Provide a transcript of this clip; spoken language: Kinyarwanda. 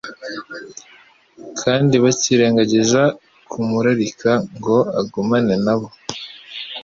kandi bakirengagiza kumurarika ngo agumane na bo.